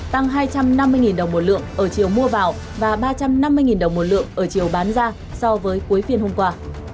tăng hai trăm năm mươi đồng một lượng ở chiều mua vào và ba trăm năm mươi đồng một lượng ở chiều bán ra so với cuối phiên hôm qua